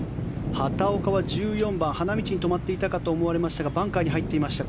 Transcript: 畑岡は１４番花道に止まっていたかと思われましたがバンカーに入っていました。